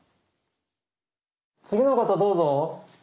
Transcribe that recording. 次の方どうぞ！